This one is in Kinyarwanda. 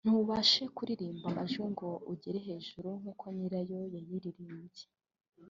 ntubashe kuririmba amajwi ngo ugere hejuru nk’uko nyirayo yayiririmbye